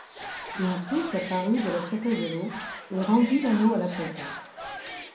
Une truite apparut de la surface de l'eau et rendit l'anneau à la comtesse.